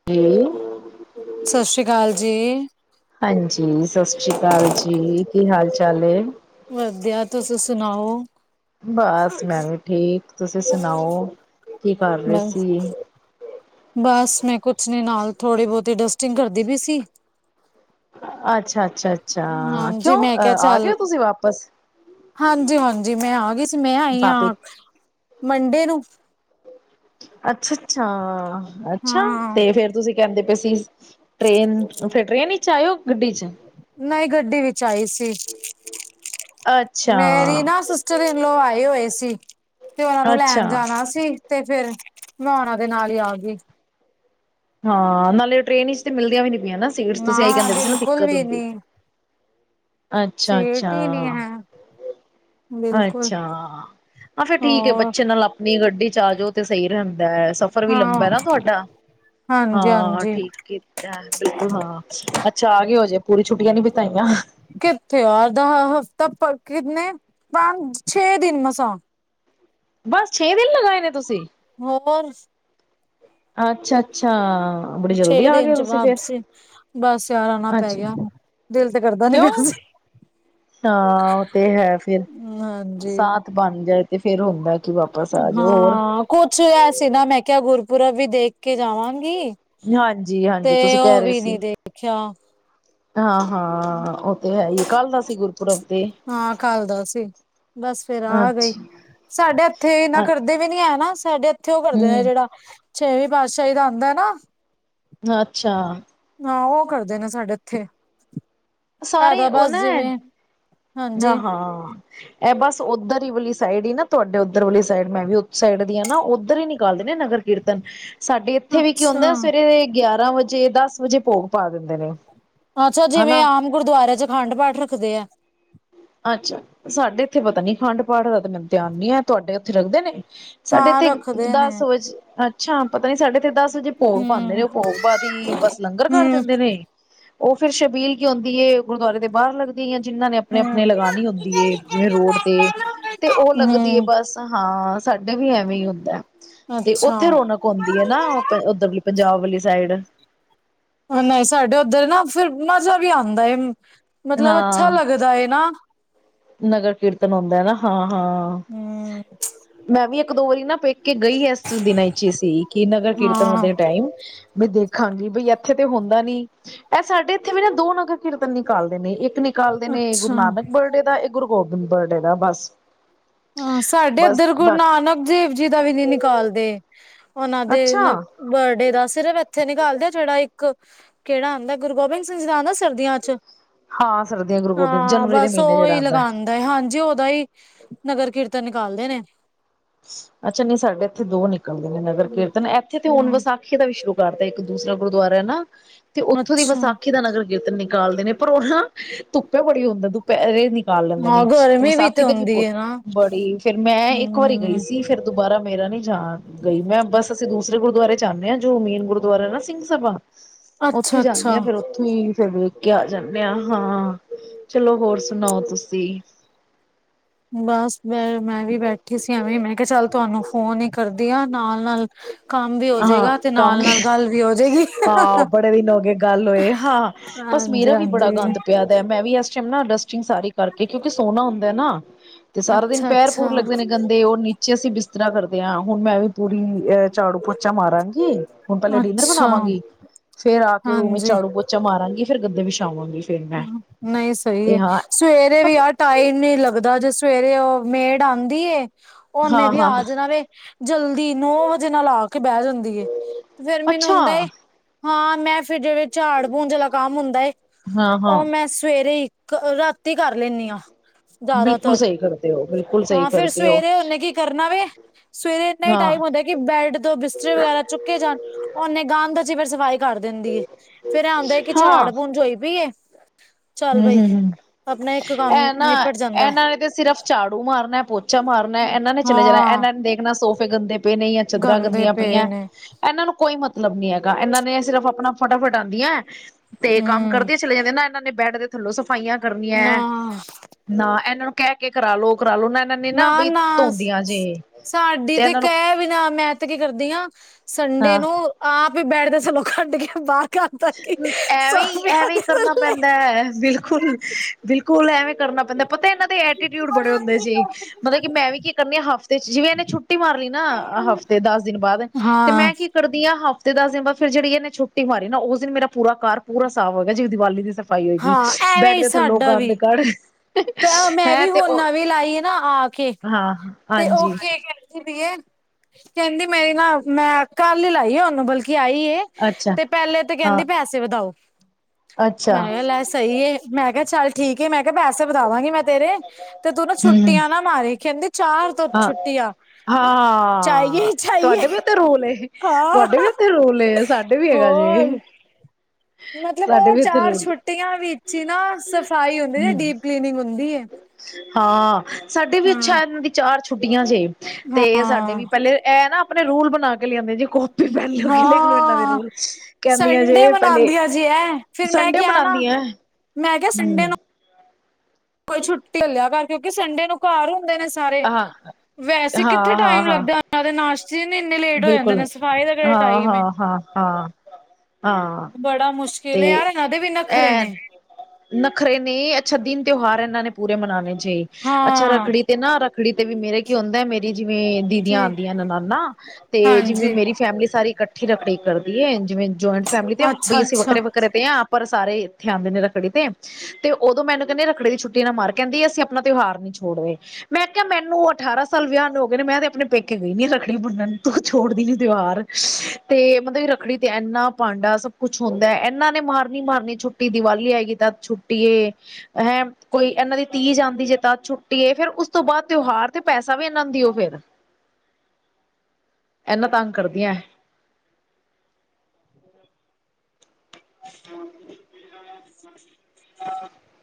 ਕੀ? ਸਤਿ ਸ਼੍ਰੀ ਅਕਾਲ ਜੀ। ਹਾਂਜੀ, ਸਤਿ ਸ਼੍ਰੀ ਅਕਾਲ ਜੀ। ਕੀ ਹਾਲ-ਚਾਲ ਏ? ਵਧੀਆ, ਤੁਸੀ ਸੁਣਾਓ? ਬਸ ਮੈਂ ਵੀ ਠੀਕ ਤੁਸੀਂ ਸੁਣਾਓ ਕੀ ਕਰ ਰਹੇ ਬਸ, ਸੀ ਬਸ ਮੈਂ ਕੁਛ ਨਈ ਨਾਲ ਥੋੜ੍ਹੀ ਬਹੁਤੀ ਡਸਟਿੰਗ ਕਰਦੀ ਵੀ ਸੀ ਅੱਛਾ ਅੱਛਾ ਅੱਛਾ ਹਾਂਜੀ ਕਿਉਂ ਅ ਆ ਗਏ ਤੁਸੀਂ ਵਾਪਿਸ ਹਾਂਜੀ ਹਾਂਜੀ ਮੈਂ ਆ ਗੀ ਸੀ ਮੈਂ ਆਈ ਪਾਪੇ ਹਾਂ ਮੰਡੇ ਨੂੰ ਅੱਛਾ ਅੱਛਾ ਅੱਛਾ ਹਾਂ ਤੇ ਫੇਰ ਤੁਸੀਂ ਕਹਿੰਦੇ ਪਏ ਸੀ ਟ੍ਰੇਨ ਫਿਰ ਟ੍ਰੇਨ ਵਿਚ ਆਇਓ ਗੱਡੀ ਚ ਨਹੀਂ ਗੱਡੀ ਵਿੱਚ ਆਈ ਸੀ ਅੱਛਾ ਮੇਰੀ ਨਾ ਸਿਸ ਸਿਸਟਰ ਇਨ ਲਾਅ ਆਏ ਹੋਏ ਸੀ ਤੇ ਉਹਨਾ ਨੂੰ ਲੈਣ ਅੱਛਾ ਜਾਣਾ ਸੀ ਤੇ ਫੇਰ ਮੈਂ ਉਹਨਾ ਦੇ ਨਾਲ ਹੀ ਆ ਗਈ ਹਾਂ ਨਾਲੇ ਉਹ ਟ੍ਰੇਨ ਤੇ ਮਿਲਦੀਆਂ ਵੀ ਨੀ ਪਈਆਂ ਸੀਟਸ ਤੁਸੀਂ ਨਾ ਇਹੀ ਕਹਿੰਦੇ ਪਏ ਸੀ ਨਾ ਬਿਲਕੁਲ ਦਿੱਕਤ ਵੀ ਹੁੰਦੀ ਨੀ ਅੱਛਾ ਸੀਟ ਅੱਛਾ ਹੀ ਨੀ ਹੈ ਬਿਲਕੁਲ ਅੱਛਾ ਹਾਂ ਫਿਰ ਠੀਕ ਐ ਹੋਰ ਬੱਚੇ ਨਾਲ ਆਪ ਆਪਣੀ ਗੱਡੀ ਚ ਆਜੋ ਤੇ ਸਹੀ ਰਹਿੰਦਾ। ਸਫ਼ਰ ਵੀ ਲੰਬਾ ਹਾਂ ਨਾ ਤੁਹਾਡਾ ਹਾਂ ਹਾਂਜੀ-ਹਾਂਜੀ ਠੀਕ ਬਿਲਕੁਲ ਹਾਂ ਅੱਛਾ ਆ ਗੇ ਹੋ ਜੇ ਪੂਰੀ ਛੁੱਟੀਆਂ ਨੀ ਬਿਤਾਈਆਂ। ਕਿੱਥੇ ਯਾਰ ਦਾ ਹਫ਼ਤਾ ਕਿਨੇ ਪੰਜ ਛੇ ਦਿਨ ਮਸਾ। ਬਸ ਛੇ ਦਿਨ ਲਗਾਏ ਨੇ ਤੁਸੀਂ। ਹੋਰ। ਅੱਛਾ ਅੱਛਾ। ਬੜੀ ਜਲਦੀ ਛੇ ਆ ਦਿਨ ਗਏ ਚ ਤੁਸੀਂ ਫੇਰ ਵਾਪਸੀ ਬਸ ਯਾਰਾਂ ਆਣਾ ਪੈ ਅੱਛਾ ਗਿਆ। ਦਿਲ ਤੇ ਕਰਦਾ ਨੀ ਕਿਉਂ ਪਿਆ ਸੀ। ਹਾਂ ਉਹ ਤੇ ਹੈ ਫਿਰ ਹਾਂਜੀ ਸਾਥ ਬਣ ਜਾਏ ਤੇ ਫੇਰ ਹੁੰਦਾ। ਕਿ ਵਾਪਸ ਆ ਜਾਓ ਹੋਰ ਹਾਂ, ਕੁਛ ਐ ਸੀ ਨਾ ਮੈਂ ਕਿਹਾ ਗੁਰਪੁਰਬ ਵੀ ਦੇਖ ਕੇ ਜਾਵਾਂਗੀ। ਹਾਂਜੀ ਤੇ ਹਾਂਜੀ ਤੁਸੀਂ ਓ ਕਹਿ ਰਹੇ ਵੀ ਨੀ ਸੀ ਦੇਖਿਆ। ਹਾਂ ਹਾਂ ਉਹ ਤੇ ਹੈਈ ਕੱਲ ਦਾ ਸੀ ਗੁਰਪੁਰਬ ਤੇ ਹਾਂ ਕੱਲ ਦਾ ਸੀ। ਬਸ ਫੇਰ ਆ ਗਈ। ਅੱਛਾ ਸਾਡੇ ਇੱਥੇ ਇਨਾ ਕਰਦੇ ਵੀ ਨੀ ਹੈ ਨਾ ਸਾਡੇ ਇੱਥੇ ਉਹ ਕਰਦੇ ਨੇ ਹਮ ਜਿਹੜਾ ਛੇਵੀ ਪਾਤਸ਼ਾਹੀ ਦਾ ਆਂਦਾ ਨਾ। ਅੱਛਾ। ਨਾ ਓ ਕਰਦੇ ਨੇ ਸਾਡੇ ਇੱਥੇ ਸਾਰੇ ਏਦਾ ਉਹ ਬਸ ਨਾ ਜਿਵੇਂ [unintelligible] ਹਾਂਜੀ ਹਾਂ। ਏ ਬਸ ਉੱਧਰ ਈ ਵਾਲੀ ਸਾਈਡ ਹੀ ਨਾ ਤੁਹਾਡੇ ਉੱਧਰ ਵਾਲੀ ਸਾਈਡ ਮੈਂ ਵੀ ਓਸੇ ਸਾਈਡ ਦੀ ਆ ਨਾ ਉੱਧਰ ਹੀ ਨਿਕਾਲਦੇ ਨਗਰ ਕੀਰਤਨ। ਸਾਡੇ ਇੱਥੇ ਵੀ ਕੀ ਅੱਛਾ। ਹੁੰਦਾ ਸਵੇਰੇ ਗਿਆਰਾਂ ਵਜੇ ਦਸ ਵਜੇ ਭੋਗ ਪਾ ਦਿੰਦੇ ਨੇ। ਅੱਛਾ ਜਿਵੇਂ ਹਨਾ ਆਮ ਗੁਰਦਆਰਿਆਂ ਚ ਅਖੰਡ ਪਾਠ ਰੱਖਦੇ ਆ। ਅੱਛਾ ਸਾਡੇ ਇੱਥੇ ਪਤਾ ਨੀ ਖੰਡ ਪਾਠ ਦਾ ਤੇ ਮੈਨੂੰ ਧਿਆਨ ਨੀ ਹੈ ਤੁਹਾਡੇ ਉੱਥੇ ਰੱਖਦੇ ਨੇ। ਸਾਡੇ ਹਾਂ ਇੱਥੇ ਰੱਖਦੇ ਨੇ। ਦਸ ਵਜੇ ਅੱਛਾ ਪਤਾ ਨੀ ਸਾਡੇ ਤੇ ਦਸ ਵਜੇ ਭੋਗ ਪਾਂਦੇ ਨੇ ਹੂੰ, ਉਹ ਭੋਗ ਬਾਅਦ ਹੀ ਬਸ ਲੰਗਰ ਕਰ ਹੂੰ, ਦਿੰਦੇ ਨੇ। ਉਹ ਫਿਰ ਸ਼ਬੀਲ ਕਿ ਹੁੰਦੀ ਏ ਗੁਰਦੁਆਰੇ ਦੇ ਬਾਹਰ ਲੱਗਦੀ ਐ ਜਿਨ੍ਹਾਂ ਨੇ ਆਪਣੇ ਹੂੰ, ਆਪਣੇ ਲਗਾਣੀ ਹੁੰਦੀ ਐ ਜਿਵੇਂ ਰੋਡ ਤੇ ਤੇ ਉਹ ਲੱਗ ਦੀ ਹੂੰ ਬਸ ਹਾਂ ਸਾਡੇ ਵੀ ਐਵੇਂ ਹੀ ਹੁੰਦਾ ਤੇ ਅੱਛਾ। ਉੱਥੇ ਰੌਣਕ ਹੁੰਦੀ ਐ ਨਾ। ਓ ਉੱਧਰ ਪੰਜਾਬ ਵਾਲੀ ਸਾਈਡ ਨਹੀਂ ਸਾਡੇ ਉੱਧਰ ਨਾ ਫਿਰ ਮਜ਼ਾ ਵੀ ਆਂਦਾ ਏ ਨਾ ਮਤਲਬ ਅੱਛਾ ਹਾਂ ਲੱਗਦਾ ਐ ਨਾ। ਨਗਰ ਕੀਰਤਨ ਹੁੰਦਾ ਨਾ ਹਾਂ ਹਾਂ ਹੂੰ ਮੈਂ ਵੀ ਇੱਕ ਦੋ ਵਾਰੀ ਨਾ ਪੇਕੇ ਗਈ ਏਸ ਦਿਨਾਂ ਵਿੱਚ ਸੀ ਕਿ ਨਗਰ ਹਾਂ। ਕੀਰਤਨ ਟਾਈਮ ਵੀ ਦੇਖਾਂਗੀ ਬਈ ਇੱਥੇ ਤੇ ਹੁੰਦਾ ਨੀ। ਐ ਸਾਡੇ ਇੱਥੇ ਵੀ ਨਾ ਦੋ ਨਗਰ ਕੀਰਤਨ ਨਿਕਾਲਦੇ ਨੇ ਇੱਕ ਨ ਕਾਲਦੇ ਨੇ ਅੱਛਾ। ਗੁਰੂ ਨਾਨਕ ਬਰਡੇ ਦਾ ਇੱਕ ਗੁਰੂ ਗੋਬਿੰਦ ਬਰਡੇ ਦਾ ਬਸ। ਹਾਂ, ਸਾਡੇ ਬਸ ਇੱਧਰ ਬਸ ਗੁਰੂ ਨਾਨਕ ਦੇਵ ਜੀ ਦਾ ਵੀ ਨੀ ਨਿਕਾਲਦੇ ਉਹਨਾਂ ਦੇ ਅੱਛਾ ਬਰਡੇ ਦਾ ਸਿਰਫ ਇੱਥੇ ਨਿਕਾਲਦੇ ਜਿਹੜਾ ਇੱਕ ਕਿਹੜਾ ਆਂਦਾ ਗੁਰੂ ਗੋਬਿੰਦ ਸਿੰਘ ਜੀ ਦਾ ਆਂਦਾ ਸਰਦੀਆਂ ਚ ਹਾਂ ਸਰਦੀਆਂ ਗੁਰੂ ਗੋਬਿੰਦ ਹਾਂ ਜਨਵਰੀ ਦੇ ਬਸ ਮਹੀਨੇ ਜਿਹੜਾ ਉਹੀ ਆਉਂਦਾ ਹੈ। ਲਗਾ ਹਾਂਜੀ ਉਹਦਾ ਹੀ ਨਗਰ ਕੀਰਤਨ ਨਿਕਾਲਦੇ ਨੇ ਅੱਛਾ ਨੀਂ ਸਾਡੇ ਇੱਥੇ ਦੋ ਨਿਕਲਦੇ ਨੇ ਨਗਰ ਕੀਰਤਨ ਇੱਥੇ ਤੇ ਹੁਨ ਵਿਸਾਖੀ ਦਾ ਵੀ ਸ਼ੁਰੂ ਕਰਦਾ ਇੱਕ ਦੂਸਰਾ ਗੁਰਦੁਆਰਾ ਨਾ ਤੇ ਉੱਥੋਂ ਦੀ ਅੱਛਾ ਵਿਸਾਖੀ ਦਾ ਨਗਰ ਕੀਰਤਨ ਨਿਕਾਲਦੇ ਨੇ। ਪਰ ਉਹ ਨਾ ਧੁੱਪੇ ਬੜੀ ਹੁੰਦਾ ਦੁਪਹਿਰੇ ਨਿਕ ਕਰ ਲੈਂਦੇ ਹਾਂ ਨੇ ਤੇ ਗਰਮੀ ਵਿਸਾਖੀ ਤੇ ਵੀ ਹੁੰਦੀ ਬੋਤ ਹੈ ਨਾ ਬੜੀ ਫੇਰ ਮੈਂ ਇੱਕ ਇੱਕ ਵਾਰੀ ਗਈ ਹਮ ਸੀ ਫਿਰ ਦੁਬਾਰਾ ਮੇਰਾ ਨੀ ਜਾ ਗਈ ਮੈਂ ਬਸ ਅਸੀਂ ਦੂਸਰੇ ਗੁਰਦੁਆਰੇ ਜਾਂਨੇ ਆਂ ਜੋ ਮੇਨ ਗੁਰਦੁਆਰਾ ਨਾ ਸਿੰਘ ਸਭਾ ਅੱਛਾ ਓਥੇ ਜਾਂਨੇ ਅੱਛਾ ਆਂ ਫੇਰ ਓਥੇ ਠੀਕ ਐ ਫਿਰ ਵੇਖ ਕੇ ਆ ਜਾਂਨੇ ਆਂ ਹਾਂ, ਚਲੋ ਹੋਰ ਸਨਾਓ ਤੁਸੀਂ ਬਸ ਮੈਂ-ਮੈਂ ਵੀ ਬੈਠੀ ਸੀ ਐਵੇਂ ਮੈਂ ਕਿਆ ਚੱਲ ਤੁਹਾਨੂੰ ਫੋਨ ਈ ਕਰਦੀ ਆ ਨਾਲ-ਨਾਲ ਹਾਂ ਕਮਗੇ ਗੱਲ ਵੀ ਹੋ ਜਾਏਗੀ ਹਾਂ ਬੜੇ ਦਿਨ ਹੋ ਗਏ ਗੱਲ ਹੋਏ ਹਾਂ ਬਸ ਹਾਂਜੀ ਮੇਰਾ ਵੀ ਬੜਾ ਹਾਂਜੀ ਗੰਦ ਪਿਆ ਮੈਂ ਵੀ ਐਸ ਟੈਮ ਨਾ ਡਸਟਿੰਗ ਸਾਰੀ ਕਰਕੇ ਕਿਓਂਕਿ ਸੋਹਨਾ ਹੁੰਦਾ ਨਾ ਤੇ ਸਾਰਾ ਦਿਨ ਅੱਛਾ ਪੈਰ ਅੱਛਾ ਪੂੂਰ ਲੱਗਦੇ ਨੇ ਗੰ ਤੇ ਓ ਨੀਚੇ ਅਸੀਂ ਬਿਸਤਰਾ ਕਰਦੇ ਆਂ ਹੁਨ ਮੈਂ ਵੀ ਪੂਰੀ ਅ ਝਾੜੂ ਪੋ ਪੋਚਾ ਮਾਰਾਂਗੀ ਹੁਨ ਪੈਲੇ ਡਿਨਰ ਅੱਛਾ ਬਨਾਵਾਂਗੀ, ਫੇਰ ਆ ਕੇ ਰੂਮ ਵਿਚ ਹਾਂਜੀ ਝਾੜੂ ਪੋ ਚਾ ਮਾਰਾਂਗੀ ਫਿਰ ਗੱਦੇ ਵਿਛਾਵਾਂਗੇ। ਹੂੰ, ਨਈ ਸਈ ਏ। ਸਵੇਰੇ ਵੀ ਆਹ ਟਾਈਮ ਨੀ ਲੱਗਦਾ ਜੇ ਸਵੇਰੇ ਓ ਮੇਡ ਆਦੀਂ ਏ ਓਨੇ ਹਾਂ ਵੀ ਹਾਂ ਆ ਜਾਣਾ ਵੇ, ਜਲਦੀ ਨੌ ਵਜੇ ਨਾਲ ਆ ਕੇ ਬੈ ਜਾਂਦ ਦੀ ਏ, ਫੇਰ ਮੈਨੂੰ ਅੱਛਾ ਹੁੰਦਾ ਏ ਹਾਂ ਮੈਂ ਫੇਰ ਜਿਹੜੇ ਝਾੜ ਪੂੰਜ ਵਾਲਾ ਕੰਮ ਹੁੰਦਾ ਏ ਹਾਂ ਓ ਹਾਂ ਮੈਂ ਸਵੇਰੇ ਇਕ ਰਾਤੀ ਕਰ ਲੈਂਨੀ ਆਂ। ਬਿਲਕੁਲ ਜ਼ਾਦਾਤਰ, ਸਹੀ ਕਰਦੇ ਹੋ ਬਿਲਕੁਲ ਸਹੀ ਹਾਂ ਫੇਰ ਕਰਦੇ ਹੋ ਸਵੇਰੇ ਓਨੇ ਕੀ ਕਰਨਾ ਵੇ ਸਵੇਰੇ ਇੰਨਾ ਈ ਹਾਂ ਟਾਈਮ ਹੁੰਦਾ ਕਿ ਬੈਡ ਤੋਂ ਬਿਸਤਰੇ ਵਗੈਰਾ ਚੁੱਕੇ ਜਾਨ, ਓਨੇ ਗੰਦ ਚ ਈ ਫਿਰ ਸਫ਼ਾਈ ਕਰ ਦਿੰਦੀ ਏ, ਫੇਰ ਐਂ ਹੁੰਦੈ ਕਿ ਹਾਂ ਝਾੜ ਪੂੰਝ ਹੋਈ ਪਈ ਏ ਚੱਲ ਹਮ ਬਈ ਆਪਨਾ ਇੱਕ ਕੰਮ ਨਿਪਟ ਜਾ ਐਨਾਂ ਨੇ ਤੇ ਸਿਰਫ਼ ਝਾੜੂ ਮਾਰਨੈ ਪੋਚਾ ਮਾਰਨੈ ਐਨਾਂ ਨੇ ਚਲੇ ਜਾਨਾ ਹਾਂ ਐਨਾਂ ਨੇ ਦੇਖਨੈ ਸੋਫ ਸੋਫੇ ਗੰਦੇ ਪਏ ਨੇ ਜਾਂ ਚਾਦਰਾਂ ਗੰਦੇ ਗੰਦੀਆਂ ਪਏ ਪਈਐਂ। ਨੇ ਐਨਾਂ ਨੂੰ ਕੋਈ ਮਤਲਬ ਨੀ ਹੈਗਾ ਐਨਾਂ ਨੇ ਸਿਰਫ਼ ਆਪਨਾ ਫਟਾਫਟ ਆਂਦੀਐ ਤੇ ਕੰਮ ਹੂੰ ਕਰਦੇ ਚਲੇ ਜਾਂਦੇ ਨਾ ਏਨਾਂ ਨੇ ਬੈਡ ਦੇ ਥੱਲੋਂ ਸਫ਼ਾਈਆਂ ਕਰਨੀਆਂ ਨਾ ਐ। ਨਾ ਐਨਾਂ ਨੂੰ ਕਹਿ ਕੇ ਕਰਾਲੋ-ਕਰਾਲੋ ਨਾ ਇਹਨਾਂ ਨੇ ਨਾ ਬਈ ਨਾ-ਨਾ ਧੋਂਦੀਆਂ ਜੇ ਸਾਡੀ ਤੇ ਇਹਨਾਂ ਨੂੰ ਕੈ ਵੀ ਨਾ ਮੈਂ ਤੇ ਕੀ ਕਰਦੀ ਆਂ ਸੰਡੇ ਹਾਂ ਨੂੰ ਆਪ ਈ ਬੈਡ ਦੇ ਥੱਲੋ ਕੱਢ ਕੇ ਬਾਰ ਐਵੀਂ-ਐਵੀਂ ਕਰਨਾ ਥੱਲੇ ਪੈਂਦਾ ਬਿਲਕੁਲ-ਬਿਲਕੁਲ ਬਿਲਕੁਲ ਐਵੀਂ ਕਰਨਾ ਪੈਂਦਾ ਪਤਾ ਏਨਾਂ ਦੇ ਐਟੀਟਿਊਡ ਬੜੇ ਹੁੰਦੇ ਸੀ ਮਤਲਬ ਕਿ ਮੈਂ ਵੀ ਕੀ ਕਰਨੀ ਆ ਤੇ ਜਿਵੇਂ ਏਨੇ ਛੁੱਟੀ ਮਾਰ ਲੀ ਨਾ ਹਫ਼ਤੇ ਦਸ ਦਿਨ ਬਾਦ ਤੇ ਹਾਂ ਮੈਂ ਕੀ ਕਰਦੀ ਆਂ ਹਫ਼ਤੇ ਦਸ ਦਿਨ ਬਾਦ ਫਿਰ ਜੇੜੀ ਏਨੇ ਛੁੱਟੀ ਮਾਰੀ ਨਾ ਓਸ ਦਿਨ ਮੇਰਾ ਪੂਰਾ ਘਰ ਪੂਰਾ ਸਾਫ਼ ਹੋ ਗਿਆ ਜਿਵੇਂ ਦੀਵਾਲੀ ਦੇ ਸਫਾਈ ਹੋਏਗੀ ਹਾਂ ਐਵੇਂ ਬੈਡ ਹੀ ਦੇ ਥੱਲੋ ਸਾਡਾ ਗੰਦ ਵੀ ਕੱਡ ਮੈਂ ਹੈਂ ਵੀ ਤੇ ਹੁਣ ਓ ਨਵੀਂ ਲਾਈ ਹੈ ਨਾ ਆ ਹਾਂ, ਹਾਂਜੀ ਕੈਂਦੀ ਪਈ ਐ ਮੇਰੀ ਨਾ ਮੈਂ ਕੱਲ ਈ ਲਾਈ ਐ ਓਨੂੰ ਬਲਕਿ ਆਈ ਏ ਅੱਛਾ ਤੇ ਪੈਲੇ ਤੇ ਹਾਂ ਕੈਂਦੀ ਪੈਸੇ ਵਦਾਓ ਮੈਂ ਅੱਛਾ ਕਿਆ ਲੈ ਸਈ ਏ ਮੈਂ ਕਿਆ ਚੱਲ ਠੀਕ ਏ ਮੈਂ ਕਿਆ ਪੈਸੇ ਵਦਾਵਾਂਗੀ ਮੈਂ ਤੇਰੇ ਤੇ ਤੂੰ ਨਾ ਛੁੱਟੀਆਂ ਨਾ ਮਾਰੀ ਕੈਂਦੀ ਚਾਰ ਤੋਂ ਹਾਂ-ਹਾਂ ਛੁੱਟੀਆਂ ਚਾਹੀਏ ਹੀ ਚਾਹੀਏ ਤੁਆਡੇ ਵੀ ਓਤੇ ਰੋਲ ਏ ਹਾਂ ਤੁਆਡੇ ਵੀ ਓਤੇ ਰੋਲ ਏ ਸਾਡੇ ਵੀ ਹੈਗਾ ਜੇ ਹੋਰ ਮਤਲਬ ਸਾਡੇ ਓ ਵੀ ਇੱਥੇ ਚਾਰ ਰੂਲ ਛੁੱਟੀਆਂ ਵਿੱਚ ਈ ਨਾ ਸਫ਼ਾਈ ਹੁੰਦੀ ਏ ਹੂੰ ਡੀਪ ਕਲੀਨਿੰਗ ਹੁੰਦੀ ਏ ਹਾਂ ਸਾਡੇ ਵੀ ਅੱਛਾ ਹਾਂ ਏਨਾਂ ਦੀ ਚਾਰ ਛੁੱਟੀਆਂ ਜੇ, ਤੇ ਸਾਡੇ ਹਾਂ ਵੀ ਪੈਲੇ ਐਹ ਨਾ ਆਪਨੇ ਰੂਲ ਬਨਾ ਕੇ ਲਿਆਂਦੇ ਜੀ ਕੋ ਪੈਲੋ ਕਿ ਦੇਖਲੋ ਇਹਨਾ ਦੇ ਹਾਂ ਰੂਲ ਕੈਂਦੀਆ ਸੰਡੇ ਜੇ ਪੈਲੇ ਮਨਾਉਂਦੀਆਂ ਜੀ ਐ ਫਿਰ ਮੈਂ ਸੰਡੇ ਕਿਹਾ ਨਾ ਮਨਾਂਦੀਆਂ ਐ ਮੈਂ ਕਿਆ ਸੰਡੇ ਨੂੰ ਕੋਈ ਛੁੱਟੀ ਹੱਲਿਆ ਕਰਕੇ ਕਿਉਂਕਿ ਸੰਡੇ ਨੂੰ ਘਰ ਹੁੰਦੇ ਨੇ ਸਾਰੇ ਹਾਂ ਵੈਸੇ ਕਿੱਥੇ ਹਾਂ ਹਾਂ ਟਾਈਮ ਹਾਂ ਲੱਗਦਾ ਉਹਨਾਂ ਦੇ ਨਾਸ਼ਤੇ ਜਨ ਇੰਨੇ ਲੇਟ ਹੋ ਜਾਂਦੇ ਬਿਲਕੁਲ ਨੇ ਸਫ਼ਾਈ ਦਾ ਕਿਹੜਾ ਹਾਂ ਟਾਈਮ ਹਾਂ ਹੈ। ਹਾਂ -ਹਾਂ ਹਾਂ ਬੜਾ ਮੁਸ਼ਕਿਲ ਤੇ ਯਾਰਦੇ ਵੀ, ਨੱਖਰੇ ਐ ਨੇ ਨਖਰੇ ਨੇ ਅੱਛਾ ਦਿਨ ਤਿਉਹਾਰ ਇਹਨਾਂ ਨੇ ਪੂਰੇ ਮਨਾਉਣੇ ਜੇ ਅੱਛਾ ਹਾਂ ਰੱਖੜੀ ਤੇ ਨਾ ਰੱਖੜੀ ਤੇ ਵੀ ਮੇਰੇ ਕੀ ਹੁੰਦਾ ਮੇਰੀ ਜਿਵੇਂ ਦੀਦੀਆਂ ਜੀ ਆਉਂਦੀਆਂ ਨੇ ਨ ਨਾਨਾ ਤੇ ਜਿਵੇਂ ਹਾਂਜੀ ਮੇਰੀ ਫੈਮਿਲੀ ਸਾਰੀ ਇਕੱਠੀ ਰੱਖੜੀ ਕਰਦੀ ਹੈ ਜਿਵੇਂ ਜੁਆਇੰਟ ਫੈਮਿਲੀ ਇਸੇ ਅੱਛਾ-ਅੱਛਾ ਵਖੱਰੇ ਵੱਖਰੇ ਆਪ ਪਰ ਸਾਰੇ ਇੱਥੇ ਆਉਂਦੇ ਨੇ ਰੱਖੜੀ ਤੇ ਤੇ ਉਦੋਂ ਮੈਨੂੰ ਕਹਿੰਦੇ ਰੱਖੜੇ ਦੀ ਛੁੱਟੀ ਨਾ ਮਾਰ ਕਹਿੰਦੀ ਅਸੀ ਆਪਣਾ ਤਿਉਹਾਰ ਨਹੀਂ ਛੋੜਦੇ ਮੈਂ ਕਿਹਾ ਮੈਨੂੰ ਅਠਾਰਾਂ ਸਾਲ ਵਿਆਹ ਨੂੰ, ਹੋ ਗਏ ਨੇ, ਮੈਂ ਤੇ ਆਪਣੇ ਪੇਕੇ ਗਈ ਨੀ! ਰੱਕੜੀ ਬੰਨਣ ਤੂੰ ਛੋੜਦੀ ਨੀ, ਤਿਉਹਾਰ ਤੇ ਮਤਲਬ ਰੱਖੜੀ ਤੇ, ਇਨਾ ਭਾਂਡਾ ਸਭ ਕੁੱਛ ਹੁੰਦਾ ਇਹਨਾਂ ਨੇ, ਮਾਰਨੀ -ਮਾਰਨੀ ਛੁੱਟੀ ਦੀਵਾਲੀ ਆਏਗੀ ਤਦ ਛੁੱਟੀ ਹੈਂ ਕੋਈ ਇਹਨਾਂ ਦੀ -ਤੀਜ ਆਂਦੀ ਜੇ, ਛੁੱਟੀ ਫਿਰ ਉਸ ਤੋਂ ਬਾਅਦ ਤਿਉਹਾਰ ਤੇ ਪੈਸਾ ਵੀ ਇਹਨਾਂ ਦੀਓ ਫਿਰ। ਇਹਨਾਂ ਤੰਗ ਕਰਦੀਆਂ ਹਮ [unintelligible]